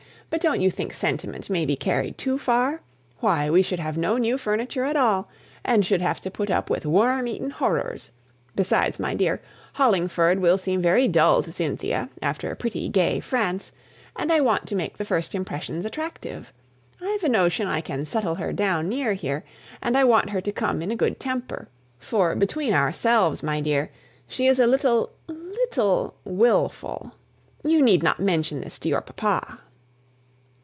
But don't you think sentiment may be carried too far? Why, we should have no new furniture at all, and should have to put up with worm eaten horrors. Besides, my dear, Hollingford will seem very dull to Cynthia, after pretty, gay France, and I want to make the first impressions attractive. I've a notion I can settle her down near here; and I want her to come in a good temper; for, between ourselves, my dear, she is a little, leetle wilful. You need not mention this to your papa."